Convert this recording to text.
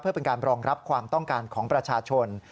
เพื่อเป็นการรองรับความต้องการของประชาชน